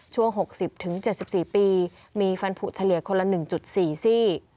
ช่วง๖๐๗๔ปีมีฟันผูเฉลี่ยคนละ๑๔ซี่